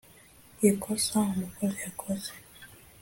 ikosa umukozi yakoze